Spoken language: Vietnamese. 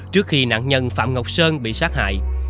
trước khi nạn nhân phạm ngọc sơn bị sát hại